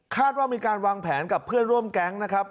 ว่ามีการวางแผนกับเพื่อนร่วมแก๊งนะครับ